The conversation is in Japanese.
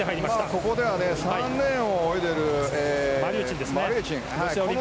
ここでは３レーンを泳いでいるマリューチン。